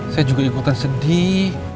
saya juga ikutan sedih